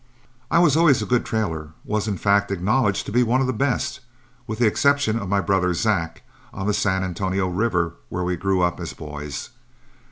I was always a good trailer, was in fact acknowledged to be one of the best, with the exception of my brother Zack, on the San Antonio River, where we grew up as boys.